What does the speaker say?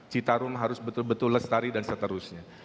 citarum harus betul betul lestari dan seterusnya